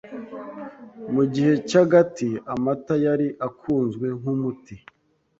Mu gihe cyagati, amata yari akunzwe nk'umuti.